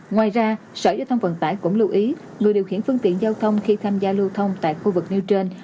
ngoài ra sở giao thông vận tải cũng lưu ý người điều khiển phương tiện giao thông khi tham gia lưu thông tại khu vực nêu trên